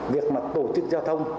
việc mà tổ chức giao thông